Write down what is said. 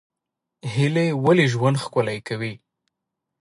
هیلې ولې ژوند ښکلی کوي؟